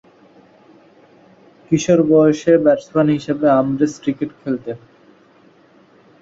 কিশোর বয়সে ব্যাটসম্যান হিসেবে Ambrose cricket খেলতেন।